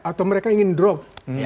atau mereka ingin drop